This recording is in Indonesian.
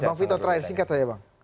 bang vito terakhir singkat saja bang